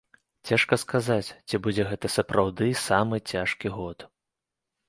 Цяжка сказаць, ці будзе гэта сапраўды самы цяжкі год.